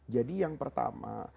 jadi yang pertama